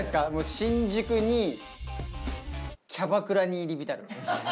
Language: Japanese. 新宿にキャバクラに入り浸る。